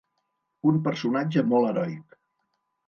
Un personatge molt heroic.